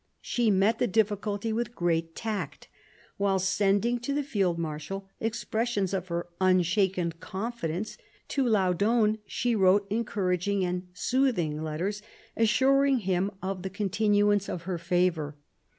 She met the difficulty with great tact While sending to the field marshal expressions of her unshaken confidence, to Laudon she wrote encouraging and soothing letters assuring him of the continuance of her favour.